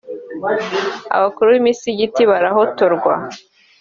abakuru b’imisigiti barahotorwa